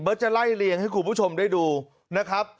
จะไล่เลี่ยงให้คุณผู้ชมได้ดูนะครับ